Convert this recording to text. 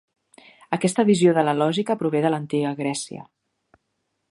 Aquesta visió de la lògica prové de l'antiga Grècia.